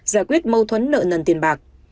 giải quyết mâu thuẫn nợ nần tiền bạc